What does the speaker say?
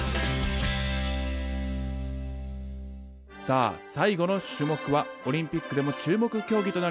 さあ最後の種目はオリンピックでも注目競技となりました